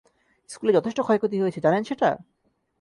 স্কুলে যথেষ্ট ক্ষয়ক্ষতি হয়েছে, জানেন সেটা?